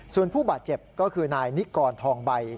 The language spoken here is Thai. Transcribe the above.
ส่วนผู้บาดเจ็บก็คือนายนิกรทองใบ